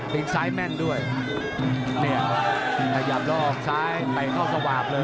ซ้ายแม่นด้วยเนี่ยขยับแล้วออกซ้ายเตะเข้าสวาปเลย